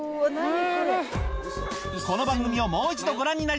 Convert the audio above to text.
この番組をもう一度ご覧にな